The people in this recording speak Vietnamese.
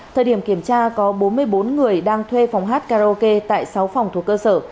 thời điểm kiểm tra có bốn mươi bốn người đang thuê phòng hát karaoke tại sáu phòng thuộc cơ sở